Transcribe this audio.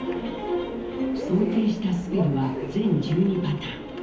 想定したスペルは全１２パターン。